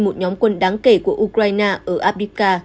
một nhóm quân đáng kể của ukraine ở abdiplka